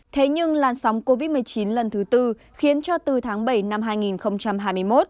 thế nhưng lan sóng covid một mươi chín lần thứ tư khiến cho từ tháng bảy năm hai nghìn hai mươi một